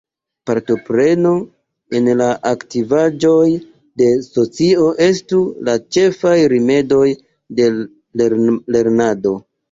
Partopreno en la aktivaĵoj de socio estu la ĉefaj rimedoj de lernado.